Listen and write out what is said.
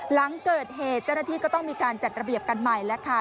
หลังเกิดเหตุเจ้าหน้าที่ก็ต้องมีการจัดระเบียบกันใหม่แล้วค่ะ